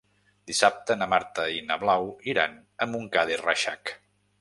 Dissabte na Marta i na Blau iran a Montcada i Reixac.